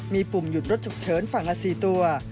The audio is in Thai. มีปุ่มหยุดรถฉุกเฉินฝั่งละ๔ตัว